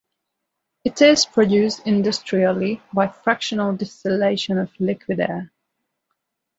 It is produced industrially by fractional distillation of liquid air.